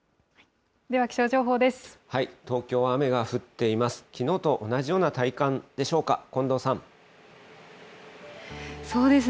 東京は雨が降っています。